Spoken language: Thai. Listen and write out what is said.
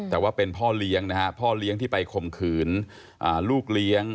แต่ว่าเป็นพ่อเลี้ยงนะฮะพ่อเลี้ยงที่ไปข่มขืนลูกเลี้ยง